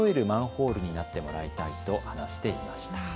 マンホールになってもらいたいと話していました。